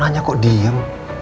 aku nanya kok diem